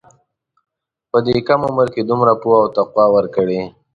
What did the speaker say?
په دې کم عمر دومره پوهه او تقوی ورکړې.